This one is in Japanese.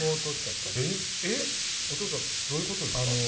お父さんどういうことですか？